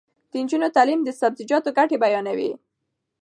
د نجونو تعلیم د سبزیجاتو ګټې بیانوي.